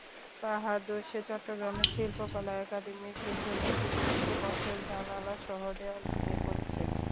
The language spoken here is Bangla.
পাহাড়ধসে চট্টগ্রামের শিল্পকলা একাডেমীর পেছনের দিকে একটি কক্ষের জানালাসহ দেয়াল ভেঙে পড়েছে।